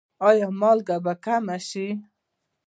ایا مالګه به کمه کړئ؟